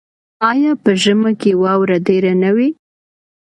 آیا په ژمي کې واوره ډیره نه وي؟